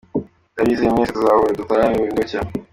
Ndabizeye mwese, tuzahure dutarame burinde bucya.